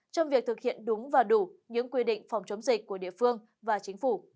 trong việc thực hiện đúng và đủ những quy định phòng chống dịch của địa phương và chính phủ